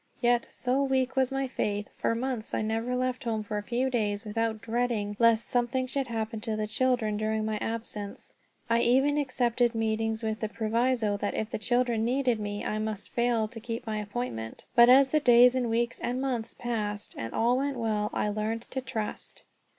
Yet, so weak was my faith, for months I never left home for a few days without dreading lest something should happen to the children during my absence. I even accepted meetings with the proviso that if the children needed me I must fail to keep my appointment. But as the days and weeks and months passed, and all went well, I learned to trust.